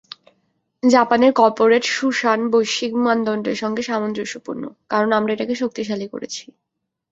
জাপানের করপোরেট সুশাসন বৈশ্বিক মানদণ্ডের সঙ্গে সামঞ্জস্যপূর্ণ, কারণ আমরা এটাকে শক্তিশালী করেছি।